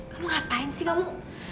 kamu ngapain sih kamu